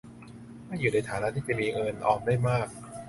ไม่อยู่ในฐานะที่จะมีเงินออมได้มาก